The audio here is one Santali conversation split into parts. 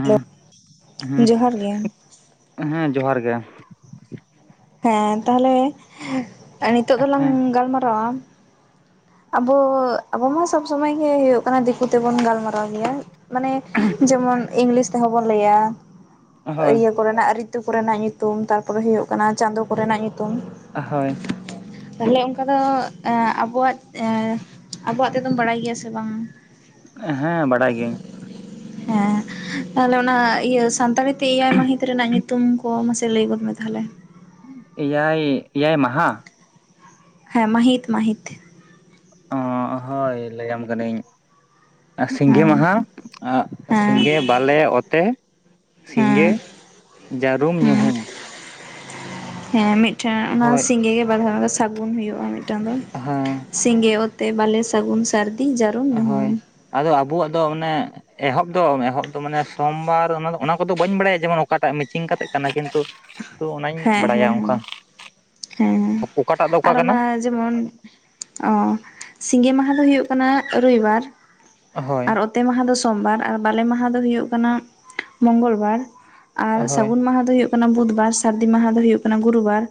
ᱦᱮᱞᱳ ᱡᱚᱦᱟᱨ ᱜᱮ ᱦᱮᱸ ᱦᱮᱸ ᱡᱚᱦᱟᱨ ᱜᱮ ᱦᱮᱸ ᱛᱟᱦᱚᱞᱮ ᱱᱤᱛᱚᱜ ᱫᱚᱞᱟᱝ ᱦᱮᱸ ᱜᱟᱞᱢᱟᱨᱟᱣᱟ ᱟᱵᱚ ᱟᱵᱚ ᱢᱟ ᱥᱚᱵ ᱥᱚᱢᱚᱭ ᱜᱮ ᱦᱩᱭᱩᱜ ᱠᱟᱱᱟ ᱫᱤᱠᱩ ᱛᱮᱵᱚᱱ ᱜᱟᱞᱢᱟᱨᱟᱣ ᱜᱮᱭᱟ ᱢᱟᱱᱮ ᱡᱮᱢᱚᱱ ᱤᱝᱞᱤᱥ ᱛᱮᱦᱚᱸ ᱵᱚᱱ ᱞᱟᱹᱭᱟ ᱦᱳᱭ ᱤᱭᱟᱹ ᱠᱚᱨᱮᱱᱟᱜ ᱟᱹᱨᱤ ᱟᱹᱛᱩ ᱠᱚᱨᱮᱱᱟᱜ ᱧᱩᱛᱩᱢ ᱛᱟᱨᱯᱚᱨᱮ ᱦᱩᱭᱩᱜ ᱠᱟᱱᱟ ᱪᱟᱸᱫᱳ ᱠᱚᱨᱮᱱᱟᱜ ᱧᱩᱛᱩᱢ ᱦᱳᱭ ᱚᱠᱟ ᱫᱚ ᱮᱸ ᱟᱵᱚᱣᱟᱜ ᱮᱸ ᱟᱵᱚᱣᱟᱜ ᱛᱮᱫᱚᱢ ᱵᱟᱲᱟᱭ ᱜᱮᱭᱟ ᱥᱮ ᱵᱟᱝ? ᱦᱮᱸ ᱵᱟᱰᱟᱭ ᱜᱤᱭᱟᱹᱧ ᱦᱮᱸ ᱛᱟᱦᱚᱞᱮ ᱚᱱᱟ ᱤᱭᱟᱹ ᱥᱟᱱᱛᱟᱲᱤ ᱛᱮ ᱮᱭᱟᱭ ᱢᱟᱹᱦᱤᱛ ᱨᱮᱱᱟᱜ ᱧᱩᱼᱼ ᱧᱩᱛᱩᱢ ᱠᱚ ᱢᱟᱥᱮ ᱞᱟᱹᱭ ᱜᱚᱫ ᱢᱮ ᱛᱟᱦᱚᱞᱮ? ᱮᱭᱟᱭ ᱮᱭᱟᱭ ᱢᱟᱦᱟ ᱦᱮᱸ ᱢᱟᱹᱦᱤᱛ ᱢᱟᱹᱦᱤᱛ ᱚ ᱦᱳᱭ ᱞᱟᱹᱭᱟᱢ ᱠᱟᱹᱱᱟᱹᱧ ᱥᱤᱸᱜᱮ ᱦᱮᱸ ᱢᱟᱦᱟ ᱦᱮᱸ ᱥᱤᱸᱜᱮ ᱵᱟᱞᱮ ᱚᱛᱮ ᱥᱤᱸᱜᱮ ᱦᱮᱸ ᱡᱟᱹᱨᱩᱢ ᱦᱮᱸ ᱧᱩᱦᱩᱢ ᱦᱮᱸ ᱢᱤᱫᱴᱮᱱ ᱚᱱᱟ ᱦᱳᱭ ᱥᱤᱸᱜᱤ ᱜᱮ ᱵᱟᱨᱫᱷᱣ ᱩᱱ ᱦᱩᱭᱩᱜᱼᱟ ᱢᱤᱫᱴᱟᱝ ᱫᱚ ᱦᱮᱸ ᱥᱤᱸᱜᱮ ᱚᱛᱮ ᱵᱟᱞᱮ ᱥᱟᱹᱜᱩᱱ ᱥᱟᱨᱼᱼ ᱛᱤ ᱡᱟᱹᱨᱩᱢ ᱦᱳᱭ ᱧᱩᱦᱩᱢ ᱟᱫᱚ ᱟᱵᱚᱣᱟᱜ ᱫᱚ ᱢᱟᱱᱮ ᱮᱦᱚᱵ ᱫᱚ ᱮᱦᱚᱵ ᱫᱚ ᱢᱟᱱᱮ ᱥᱚᱢᱵᱟᱨ ᱚᱱᱟ ᱚᱱᱟ ᱠᱚᱫᱚ ᱵᱟᱹᱧ ᱵᱟᱲᱟᱭᱟ ᱡᱮᱢᱚᱱ ᱚᱠᱟᱴᱟᱜ ᱢᱮᱪᱤᱝ ᱠᱟᱛᱮ ᱠᱟᱱᱟ ᱠᱤᱱᱛᱩ ᱛᱚ ᱚᱱᱟᱧ ᱦᱮᱸ ᱵᱟᱲᱟᱭᱟ ᱦᱮᱸ ᱦᱮᱸ ᱚᱱᱠᱟ ᱦᱮᱸ ᱚᱠᱟᱴᱟᱜ ᱫᱚ ᱚᱠᱟ ᱟᱨ ᱠᱟᱱᱟ ᱚᱱᱟ ᱡᱮᱢᱚᱱ ᱚ ᱥᱤᱸᱜᱮ ᱢᱟᱦᱟ ᱫᱚ ᱦᱩᱭᱩᱜ ᱠᱟᱱᱟ ᱨᱚᱵᱤ ᱦᱳᱭ ᱟᱨ ᱚᱛᱮ ᱢᱟᱦᱟ ᱫᱚ ᱥᱚᱢᱵᱟᱨ ᱟᱨ ᱵᱟᱞᱮ ᱢᱟᱦᱟ ᱫᱚ ᱦᱩᱭᱩᱜ ᱠᱟᱱᱟ ᱢᱚᱝᱜᱚᱞ ᱵᱟᱨ ᱟᱨ ᱦᱳᱭ ᱥᱟᱹᱜᱩᱱ ᱢᱟᱦᱟ ᱫᱚ ᱦᱩᱭᱩᱜ ᱠᱟᱱᱟ ᱦᱩᱭᱩᱜ ᱵᱩᱫ ᱵᱟᱨ ᱥᱟᱨᱫᱤ ᱢᱟᱦᱟ ᱫᱚ ᱦᱩᱭᱩᱜ ᱠᱟᱱᱟ ᱜᱩᱨᱩ ᱵᱟᱨ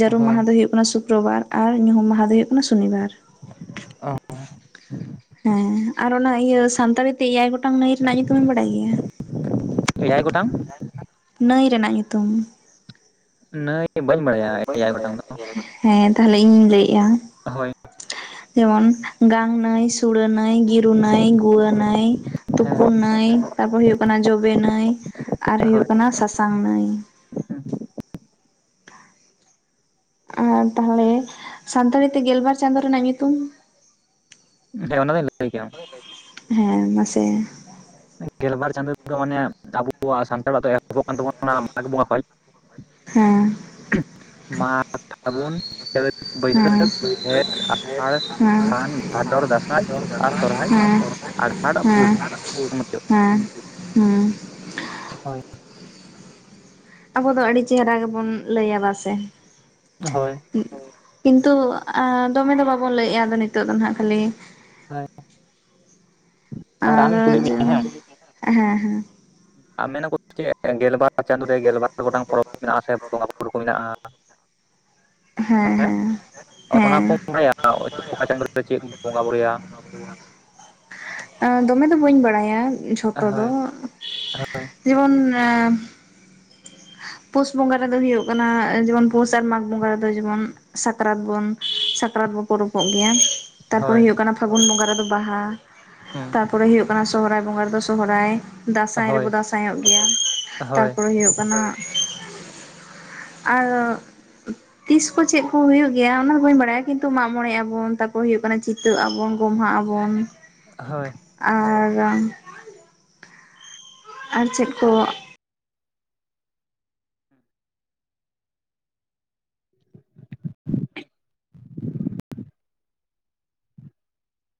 ᱡᱟᱹᱨᱩᱢ ᱦᱳᱭ ᱢᱟᱦᱟ ᱫᱚ ᱦᱩᱭᱩᱜ ᱠᱟᱱᱟ ᱥᱩᱠᱼᱼ ᱥᱩᱠᱨᱚᱵᱟᱨ ᱟᱨ ᱧᱩᱦᱩᱢ ᱢᱟᱦᱟ ᱫᱚ ᱦᱩᱭᱩᱜ ᱠᱟᱱᱟ ᱥᱚᱱᱤᱵᱟᱨ, ᱦᱮᱸ ᱟᱨ ᱚᱱᱟ ᱤᱭᱟᱹ ᱥᱟᱱᱛᱟᱲᱤ ᱛᱮ ᱮᱭᱟᱭ ᱜᱚᱴᱼᱼ ᱴᱟᱝ ᱱᱟᱹᱭ ᱨᱮᱱᱟᱜ ᱧᱩᱛᱩᱢᱢᱮᱢ ᱵᱟᱲᱟᱭ ᱜᱮᱭᱟ? ᱮᱭᱟᱭ ᱜᱚᱴᱟᱝ ᱱᱟᱹᱭ ᱨᱮᱱᱟᱜ ᱧᱩᱛᱩᱢ, ᱱᱟᱹ ᱱᱟᱹᱭ ᱵᱟᱹᱧ ᱵᱟᱰᱟᱭᱟ ᱦᱮᱸ ᱛᱟᱦᱞᱮ ᱤᱧᱤᱧ ᱞᱟᱹᱭ ᱮᱼᱟ ᱦᱳᱭ ᱡᱮᱢᱚᱱ ᱜᱟᱝ ᱱᱟᱹᱭ ᱥᱩᱲᱟᱹ ᱱᱟᱹᱭ ᱱᱟᱹᱭ, ᱜᱤᱨᱩ ᱱᱟᱹᱭ, ᱜᱩᱣᱟᱹ ᱱᱟᱹᱭ, ᱦᱮᱸ ᱛᱩᱯᱩᱱ ᱱᱟᱹᱭ, ᱛᱟᱨᱯᱚᱨ ᱦᱩᱭᱩᱜ ᱠᱟᱱᱟ ᱡᱚᱵᱮ ᱱᱟᱹᱭ, ᱟᱨ ᱦᱩᱭᱩᱜ ᱦᱳᱭ ᱠᱟᱱᱟ ᱥᱟᱥᱟᱝ ᱱᱟᱹᱭ। ᱟᱨ ᱛᱟᱦᱞᱮ ᱥᱟᱱᱛᱟᱲᱤᱛᱮ ᱜᱮᱞᱵᱟᱨ ᱪᱟᱸᱫᱳ ᱨᱮᱱᱟᱜ ᱧᱩᱛᱩᱢ? ᱦᱮᱸ ᱚᱱᱟ ᱫᱩᱧ ᱞᱟᱹᱭ ᱠᱮᱭᱟ ᱦᱮᱸ ᱢᱟᱥᱮ ᱜᱮᱞᱵᱟᱨ ᱪᱟᱸᱫᱳ ᱨᱮᱫᱚ ᱢᱟᱱᱮ ᱟᱵᱚᱣᱟᱜ ᱥᱟᱱᱛᱟᱲ ᱫᱚ ᱮᱠ ᱟᱵᱚᱱᱟᱜ ᱠᱟᱱ ᱛᱟᱵᱚᱱᱟ ᱚᱱᱟ ᱢᱟᱜᱽ ᱵᱚᱸᱜᱟ ᱠᱷᱚᱡ ᱦᱮᱸ ᱢᱟᱜᱽ ᱯᱷᱟᱹᱜᱩᱱ ᱪᱟᱹᱛ ᱦᱮᱸ ᱵᱟᱹᱭᱥᱟᱹᱠᱷ ᱡᱷᱮᱸᱴ ᱟᱥᱟᱲ ᱦᱮᱸ ᱥᱟᱱ ᱵᱷᱟᱫᱚᱨ ᱫᱟᱸᱥᱟᱭ ᱟᱨ ᱥᱚᱨᱦᱟᱭ ᱦᱮᱸ ᱟᱜᱷᱟᱬ ᱟᱨ ᱦᱮᱸ ᱯᱩᱥ ᱢᱩᱪᱟᱹᱫ ᱦᱮᱸ ᱦᱮᱸ ᱦᱳᱭ, ᱟᱵᱚ ᱫᱚ ᱟᱹᱰᱤ ᱪᱮᱦᱨᱟ ᱜᱮᱵᱚᱱ ᱞᱟᱹᱭᱼᱟ ᱵᱟ-ᱥᱮ। ᱦᱳᱭ ᱠᱤᱱᱛᱩ ᱫᱚᱢᱮ ᱫᱚ ᱵᱟᱵᱚᱱ ᱞᱟᱹᱭᱮᱜᱼᱟ ᱟᱫᱚ ᱱᱤᱛᱚᱜ ᱫᱚ ᱦᱟᱸᱜ ᱠᱷᱟᱹᱞᱤ ᱦᱳᱭ ᱟᱨ ᱟᱢᱤᱧ ᱠᱩᱞᱤ ᱢᱮᱭᱟ ᱦᱮᱸ ᱦᱮᱸ ᱦᱮᱸ ᱟ ᱢᱮᱱ ᱟᱠᱚ ᱪᱮᱫ ᱜᱮᱞ ᱵᱟᱨ ᱪᱟᱸᱫᱳ ᱨᱮ ᱜᱮᱞᱵᱟᱨ ᱜᱚᱴᱟᱝ ᱯᱚᱨᱚᱵᱽ ᱢᱮᱱᱟᱜᱼᱟ ᱥᱮ ᱵᱚᱸᱜᱟᱼᱵᱩᱨᱩ ᱠᱚ ᱢᱮᱱᱟᱜᱼᱟ ᱦᱮᱸ ᱦᱮᱸ ᱚᱱᱟ ᱠᱚ ᱵᱚᱸᱜᱟᱭᱟ ᱦᱳᱭᱛᱚ ᱚᱠᱟ ᱪᱟᱸᱫᱳ ᱨᱮ ᱪᱮᱫ ᱠᱚ ᱵᱚᱸᱜᱟ ᱵᱩᱨᱩᱳᱭᱟ? ᱫᱚᱢᱮ ᱫᱚ ᱵᱟᱹᱧ ᱵᱟᱲᱟᱭᱟ ᱡᱷᱚᱛᱚ ᱦᱳᱭ ᱫᱚ, ᱦᱳᱭ ᱡᱮᱢᱚᱱ, ᱯᱩᱥ ᱵᱚᱸᱜᱟ ᱨᱮᱫᱚ ᱦᱩᱭᱩᱜ ᱠᱟᱱᱟ ᱡᱮᱢᱚᱱ ᱯᱩᱥ ᱟᱨ ᱢᱟᱜᱽ ᱵᱚᱸᱜᱟ ᱡᱮᱢᱚᱱ ᱥᱟᱠᱨᱟᱛ ᱵᱚᱱ ᱥᱟᱠᱨᱟᱛ ᱵᱚ ᱯᱚᱨᱚᱵᱽᱚᱜ ᱜᱮᱭᱟ ᱛᱟᱨᱯᱚᱨᱮ ᱦᱳᱭ ᱦᱩᱭᱩᱜ ᱠᱟᱱᱟ ᱯᱷᱟᱹᱜᱩᱱ ᱵᱚᱸᱜᱟ ᱨᱮᱫᱚ ᱵᱟᱦᱟ, ᱦᱩᱸ ᱛᱟᱨᱯᱚᱨᱮ ᱦᱩᱭᱩᱜ ᱠᱟᱱᱟ ᱥᱚᱦᱨᱟᱭ ᱵᱚᱸᱜᱟ ᱨᱮᱫᱚ ᱥᱚᱦᱨᱟᱭ ᱫᱟᱸᱥᱟᱭ ᱨᱮᱵᱚ ᱦᱳᱭ ᱫᱟᱸᱥᱟᱭᱼᱚᱜ ᱜᱮᱭᱟ ᱦᱳᱭ ᱛᱟᱨᱯᱚᱨᱮ ᱦᱩᱭᱩᱜ ᱠᱟᱱᱟ ᱟᱨᱚ ᱛᱤᱥ ᱠᱚ ᱪᱮᱫ ᱠᱚ ᱦᱩᱭᱩᱜ ᱜᱮᱭᱟ ᱚᱱᱟ ᱫᱚ ᱵᱟ‌‌ᱹᱧ ᱵᱟᱰᱟᱭᱟ ᱠᱤᱱᱛᱩ ᱢᱟᱜᱼᱢᱚᱬᱮ ᱟᱵᱚᱱ ᱪᱤᱛᱟᱹᱜ ᱟᱵᱚᱱ ᱜᱚᱢᱦᱟ ᱟᱵᱟᱱ ᱦᱳᱭ ᱨᱟᱱ ᱟᱨ ᱪᱮᱫ ᱠᱚ [inaudible]